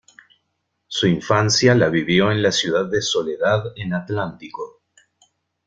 Su infancia la vivió en la ciudad de Soledad en Atlántico.